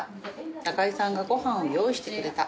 「仲居さんがご飯を用意してくれた」